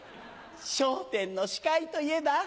『笑点』の司会といえば？